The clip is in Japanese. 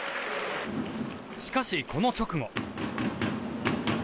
しかしこの直後。